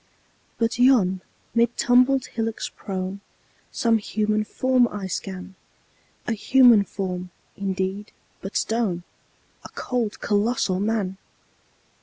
But yon, mid tumbled hillocks prone, Some human form I scan A human form, indeed, but stone: A cold, colossal Man!